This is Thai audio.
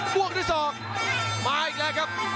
พวกด้วยศอกมาอีกแล้วครับ